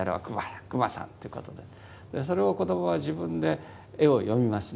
それを子どもは自分で絵を読みますね。